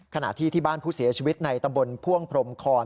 ขณะที่ที่บ้านผู้เสียชีวิตในตำบลพ่วงพรมคอน